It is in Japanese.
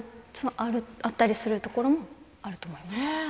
あったりするところもあると思います。